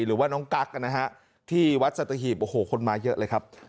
หรือว่าน้องกั๊กนะฮะที่วัดสัตหีบโอ้โหคนมาเยอะเลยครับ